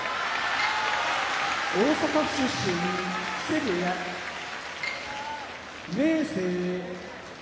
大阪府出身木瀬部屋明生